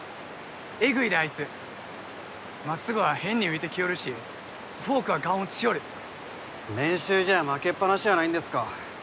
エグいであいつまっすぐは変に浮いてきよるしフォークはガン落ちしよる練習試合負けっぱなしやないんですか？